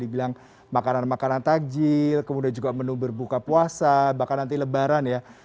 dibilang makanan makanan takjil kemudian juga menu berbuka puasa bahkan nanti lebaran ya